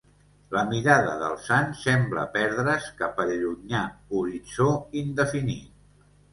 La mirada del sant sembla perdre's cap al llunyà horitzó indefinit.